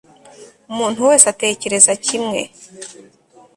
umuntu wese atekereza kimwe